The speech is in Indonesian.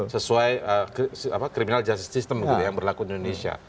sesuai criminal justice system yang berlaku di indonesia